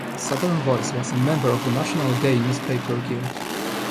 "Southern Voice" was a member of the National Gay Newspaper Guild.